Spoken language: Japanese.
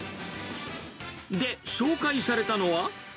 で、紹介されたのは？